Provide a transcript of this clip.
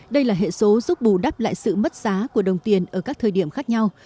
đây là hệ số giúp bù đắp lại sự mất giá của đồng tiền ở các thời điểm khác nhau